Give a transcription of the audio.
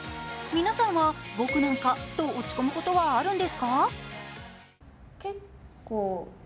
皆さんは僕なんかと落ち込むことはあるんですか？